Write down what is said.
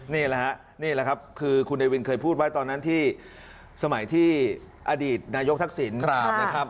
นี่แหละครับคือคุณเนวินเคยพูดไว้ตอนนั้นที่สมัยที่อดีตนายกทักศิลป์